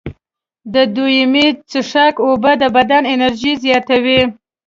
د دویمې څښاک اوبه د بدن انرژي زیاتوي.